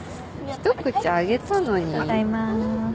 一口あげたのに。